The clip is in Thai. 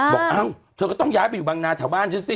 เอ้าเธอก็ต้องย้ายไปอยู่บางนาแถวบ้านฉันสิ